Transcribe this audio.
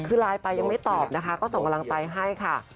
คือไลน์ไปยังไม่ตอบนะคะก็ส่งกำลังใจให้ค่ะ